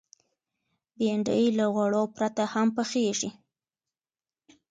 بېنډۍ له غوړو پرته هم پخېږي